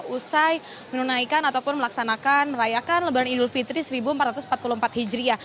usai menunaikan ataupun melaksanakan merayakan lebaran idul fitri seribu empat ratus empat puluh empat hijriah